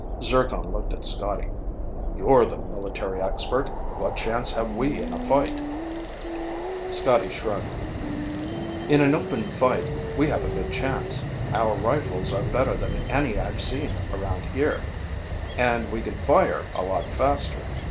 Zircon looked at Scotty. "You're the military expert. What chance have we in a fight?" Scotty shrugged. "In an open fight, we have a good chance. Our rifles are better than any I've seen around here, and we can fire a lot faster.